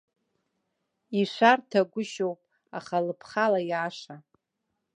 Ишәарҭагәышьоуп, аха лыԥхала иааша!